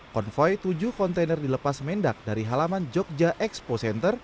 konvoy tujuh kontainer dilepas mendak dari halaman jogja expo center